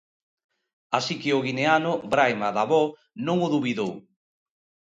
Así que o Guineano Braima Dabó non o dubidou.